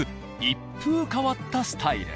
一風変わったスタイル。